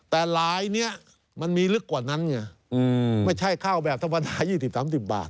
แต่ลายนี้มันมีลึกกว่านั้นไงไม่ใช่ข้าวแบบธรรมดา๒๐๓๐บาท